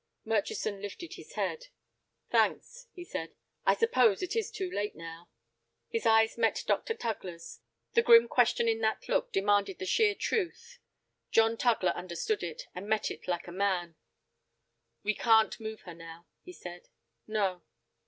Murchison lifted his head. "Thanks," he said. "I suppose it is too late now?" His eyes met Dr. Tugler's. The grim question in that look demanded the sheer truth. John Tugler understood it, and met it like a man. "We can't move her now," he said. "No."